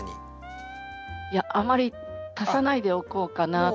いやあまり足さないでおこうかなと思っていて。